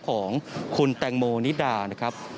ของคุณแตงโมนิดานะครับ